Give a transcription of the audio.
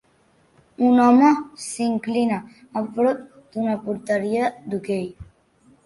Un home s'inclina a prop d'una porteria d'hoquei